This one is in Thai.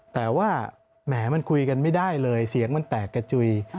แต่ว่าแหมมันคุยกันไม่ได้เลยเสียงมันแตกกระจุย